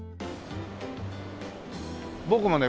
僕もね